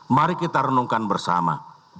mari kita renungkan bersama